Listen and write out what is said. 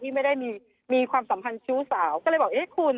ไม่ได้มีความสัมพันธ์ชู้สาวก็เลยบอกเอ๊ะคุณ